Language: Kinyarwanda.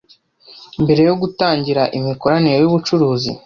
mbere yo gutangira imikoranire y ubucuruzi